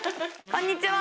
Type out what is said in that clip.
こんにちは。